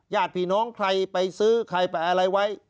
ญาติพี่น้องใครไปซื้อใครไปอะไรไว้